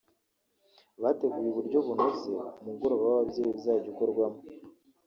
bateguye uburyo bunoze umugoroba w’ababyeyi uzajya ukorwamo